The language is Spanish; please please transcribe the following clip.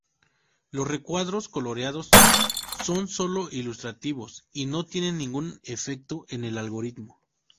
Los recuadros coloreados son solo ilustrativos y no tienen ningún efecto en el algoritmo.